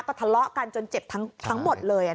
ก็ทะเลาะกันจนเจ็บทั้งหมดเลย